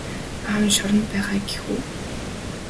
Аав нь шоронд байгаа гэх үү?